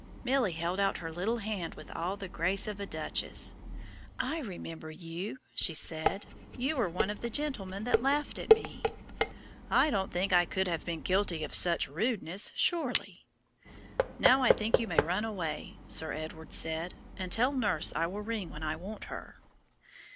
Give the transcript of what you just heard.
Milly held out her little hand with all the grace of a duchess. "I remember you," she said; "you were one of the gentlemen that laughed at me." "I don't think I could have been guilty of such rudeness, surely." "Now, I think you may run away," Sir Edward said, "and tell nurse I will ring when I want her."